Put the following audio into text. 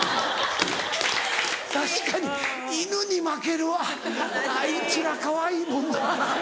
確かに犬に負けるわあいつらかわいいもんな。